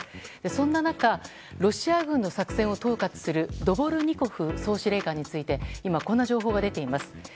そんな中、ロシア軍の作戦を統括するドボルニコフ総司令について今、こんな情報が出ています。